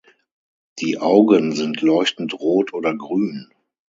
Die Augen sind leuchtend rot oder grün.